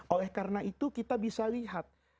oleh karena itu kita bisa lihat